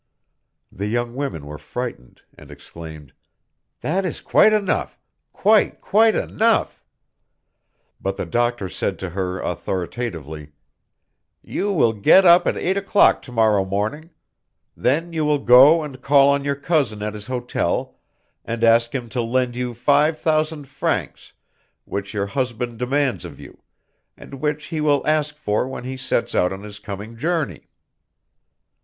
The young women were frightened, and exclaimed: "That is quite enough! Quite, quite enough!" But the doctor said to her authoritatively: "You will get up at eight o'clock to morrow morning; then you will go and call on your cousin at his hotel and ask him to lend you five thousand francs which your husband demands of you, and which he will ask for when he sets out on his coming journey."